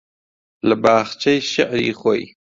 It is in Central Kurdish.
لە باخچەی شێعری خۆی